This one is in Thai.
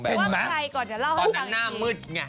ตอนนั้นหน้ามืดไง